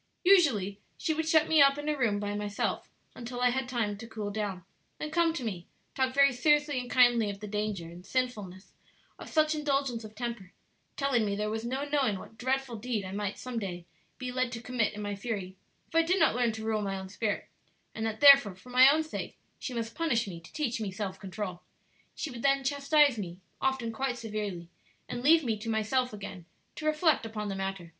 "Usually she would shut me up in a room by myself until I had had time to cool down, then come to me, talk very seriously and kindly of the danger and sinfulness of such indulgence of temper, telling me there was no knowing what dreadful deed I might some day be led to commit in my fury, if I did not learn to rule my own spirit; and that therefore for my own sake she must punish me to teach me self control. She would then chastise me, often quite severely, and leave me to myself again to reflect upon the matter.